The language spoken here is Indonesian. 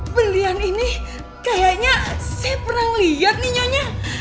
berlian ini kayaknya saya pernah ngeliat nih nyonya